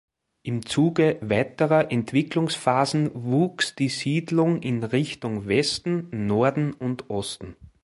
Im Zuge weiterer Entwicklungsphasen wuchs die Siedlung in Richtung Westen, Norden und Osten.